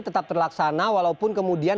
tetap terlaksana walaupun kemudian